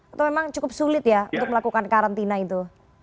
atau memang cukup sulit ya untuk melakukan karantina itu